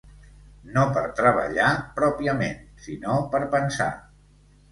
No per treballar, pròpiament, sinó per pensar.